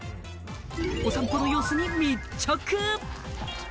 お散歩の様子に密着！